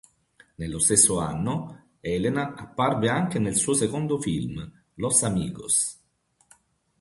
Nello stesso anno, Helena apparve anche nel suo secondo film, "Los amigos".